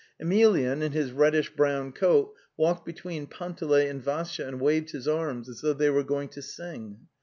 Emelyan, in his reddish brown coat, walked be tween Panteley and Vassya and waved his arms, as though they were going to sing.